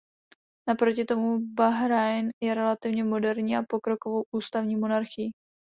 Naproti tomu Bahrajn je relativně moderní a pokrokovou ústavní monarchií.